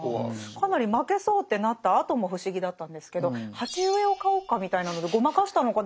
かなり負けそうってなったあとも不思議だったんですけど「鉢植えを買おうか」みたいなのでごまかしたのか。